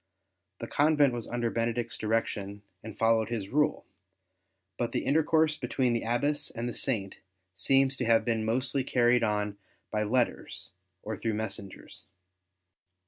The convent was under Benedict's direction and followed his Rule, but the 104 ST. BENEDICT intercourse between the Abbess and the Saint seems to have been mostly carried on by letters or through messengers.